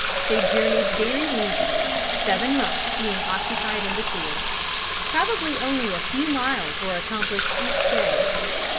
They journeyed very leisurely; seven months being occupied in the tour. Probably only a few miles were accomplished each day.